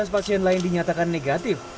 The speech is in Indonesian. sembilan belas pasien lain dinyatakan negatif